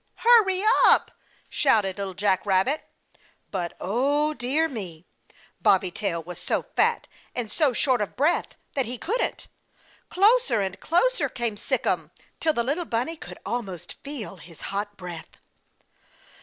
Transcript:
"Hurry up!" shouted Little Jack Rabbit. But, Oh dear me! Bobby Tail was so fat and so short of breath that he couldn't. Closer and closer came Sic'em till the little bunny could almost feel his hot breath.